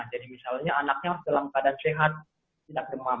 jadi misalnya anaknya dalam keadaan sehat tidak demam